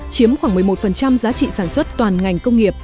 chiếm khoảng một mươi một giá trị sản xuất toàn ngành công nghiệp